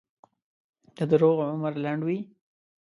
د دروغو عمر لنډ وي.